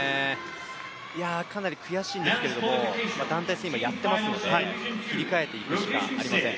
かなり悔しいんですけれども、団体戦今やっているので切り替えていくしかありません。